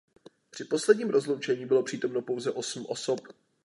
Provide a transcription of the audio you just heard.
Při posledním rozloučení bylo přítomno pouze osm osob.